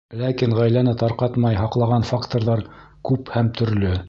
Ләкин ғаиләне тарҡатмай һаҡлаған факторҙар күп һәм төрлө.